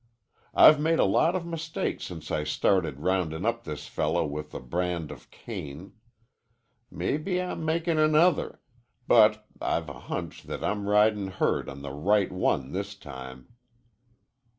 I've made a lot of mistakes since I started roundin' up this fellow with the brand of Cain. Maybe I'm makin' another. But I've a hunch that I'm ridin' herd on the right one this time."